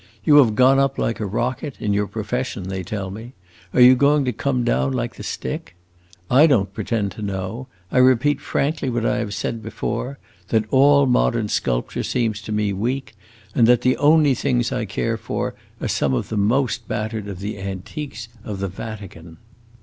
You have gone up like a rocket, in your profession, they tell me; are you going to come down like the stick? I don't pretend to know; I repeat frankly what I have said before that all modern sculpture seems to me weak, and that the only things I care for are some of the most battered of the antiques of the Vatican.